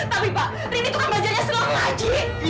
tapi pak rini itu kan belajarnya selalu mengaji